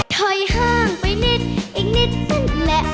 ถอยห้างไปนิดอีกนิดสุดแหละ